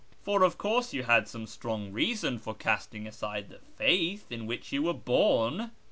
Eor of course you had some strong reason for casting aside the faith in which you were born."